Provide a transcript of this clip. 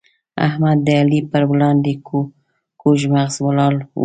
احمد د علي پر وړاندې کوږ مغزی ولاړ وو.